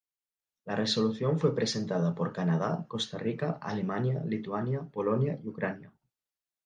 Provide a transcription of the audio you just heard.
La resolución fue presentada por Canadá, Costa Rica, Alemania, Lituania, Polonia y Ucrania.